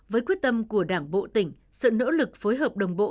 với quyết tâm của đảng bộ tỉnh sự nỗ lực phối hợp đồng bộ